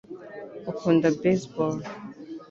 ukunda baseball